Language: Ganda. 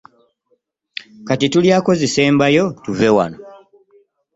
Kati tulyako zisembayo tuve wano.